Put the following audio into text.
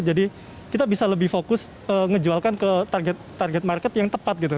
jadi kita bisa lebih fokus ngejualkan ke target market yang tepat gitu